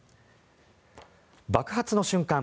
爆発の瞬間